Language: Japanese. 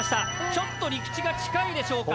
ちょっと陸地が近いでしょうか？